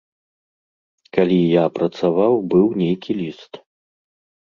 Калі я працаваў, быў нейкі ліст.